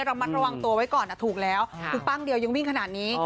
ระมัดระวังตัวไว้ก่อนถูกแล้วคือปั้งเดียวยังวิ่งขนาดนี้